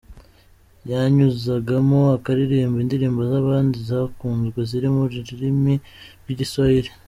yanyuzagamo akaririmba indirimbo z’abandi zakunzwe ziri mu rurimi rw’Igiswahili.